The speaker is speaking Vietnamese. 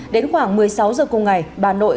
đến khoảng một mươi sáu giờ cùng ngày bà nội